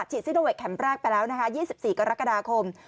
ซิโนแวคเข็มแรกไปแล้วนะคะ๒๔กรกฎาคม